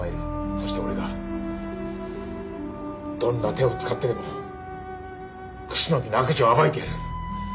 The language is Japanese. そして俺がどんな手を使ってでも楠木の悪事を暴いてやる。